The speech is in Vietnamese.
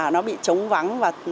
nó bị trống vắng